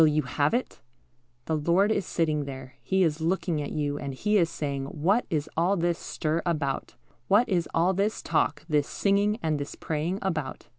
Will you have it? The Lord is sitting there; He is looking at you, and He is saying, "What is all this stir about? What is all this talk, this singing, and this praying about?